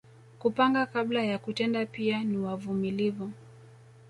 Kupanga kabla ya kutenda pia ni wavumilivu